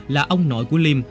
là ông nội của liêm